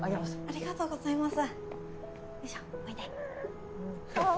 ありがとうございます。